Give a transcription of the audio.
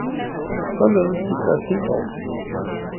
Således gik der et helt år